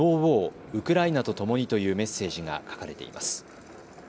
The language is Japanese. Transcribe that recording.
ウクライナとともにというメッセージが書かれています。